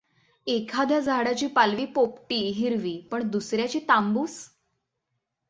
एखाद्या झाडाची पालवी पोपटी हिरवी पण दुसर् याची तांबूस?